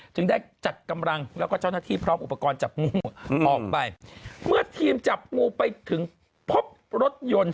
จึงได้จัดกำลังแล้วก็เจ้าหน้าที่พร้อมอุปกรณ์จับงูออกไปเมื่อทีมจับงูไปถึงพบรถยนต์